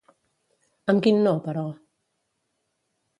Amb quin no, però?